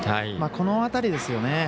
この辺りですよね。